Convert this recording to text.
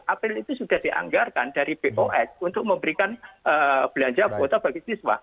april itu sudah dianggarkan dari bos untuk memberikan belanja kuota bagi siswa